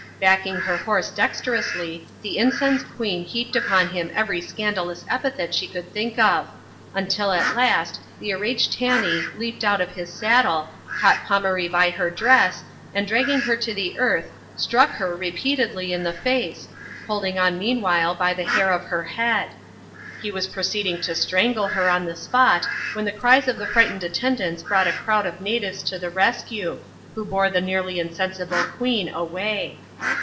Backing her horse dexterously, the incensed queen heaped upon him every scandalous epithet she could think of; until at last, the enraged Tanee leaped out of his saddle, caught Pomaree by her dress, and dragging her to the earth, struck her repeatedly in the foce, holding on mean'wMl^ \yj Wife \>3Mct ^S.\sfist bead. He was proceeding to Btrangle \ieT oxi ^^ ^^oX^^^a^^isa. X 3 310 ADVENTURES IN THE SOUTH SEAS. [chap. lxxx. the cries of the frightened attendants brought a crowd of natives to the rescue, who bore the nearly insensible queen away.